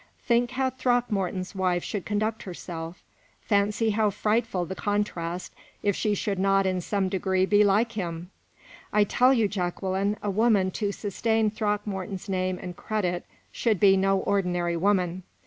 Think how Throckmorton's wife should conduct herself; fancy how frightful the contrast, if she should not in some degree be like him! I tell you, Jacqueline, a woman to sustain Throckmorton's name and credit should be no ordinary woman.